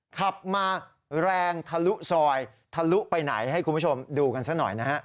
ขับมาแรงทะลุซอยทะลุไปไหนให้คุณผู้ชมดูกันซะหน่อยนะฮะ